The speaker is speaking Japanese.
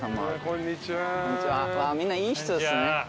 うわっみんないい人ですね。